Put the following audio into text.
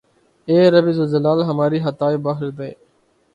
اے رب ذوالجلال ھماری خطائیں بخش دے